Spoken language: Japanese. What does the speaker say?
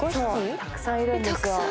たくさんいるんですよ。